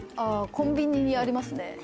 コンビニにありますね